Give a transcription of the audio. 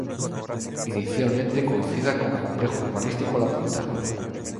Inicialmente conocida como complejo urbanístico La Punta.